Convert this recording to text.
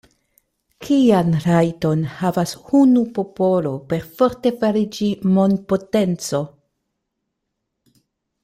Kian rajton havas unu popolo perforte fariĝi mondpotenco?